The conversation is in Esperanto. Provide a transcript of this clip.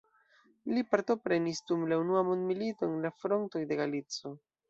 Li partoprenis dum la unua mondmilito en la frontoj de Galicio.